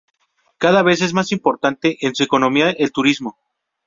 Cada vez es más importante en su economía el turismo.